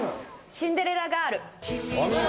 『シンデレラガール』お見事。